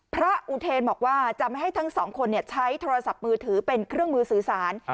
อุเทนบอกว่าจะไม่ให้ทั้งสองคนใช้โทรศัพท์มือถือเป็นเครื่องมือสื่อสาร